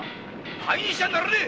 灰にしちゃならねえ！